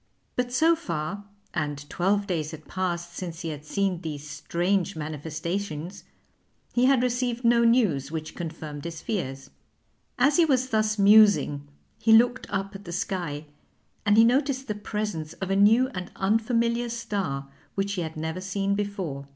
But so far and twelve days had passed since he had seen these strange manifestations he had received no news which confirmed his fears. As he was thus musing he looked up at the sky, and he noticed the presence of a new and unfamiliar star, which he had never seen before.